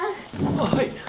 ああはい！